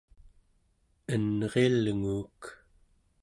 enrilnguuk